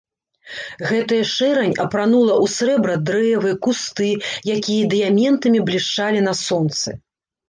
Гэтая шэрань апранула ў срэбра дрэвы, кусты, якія дыяментамі блішчалі на сонцы.